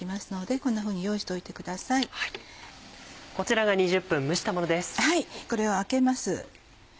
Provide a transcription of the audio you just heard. これを開けます。